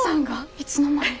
いつの間に？